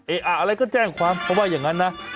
อะไรก็แจ้งความเขาว่าอย่างนั้นนะ